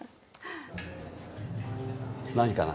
何かな